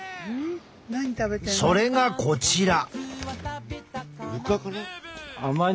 それがこちら。